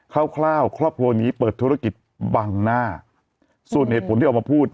คร่าวครอบครัวนี้เปิดธุรกิจบังหน้าส่วนเหตุผลที่ออกมาพูด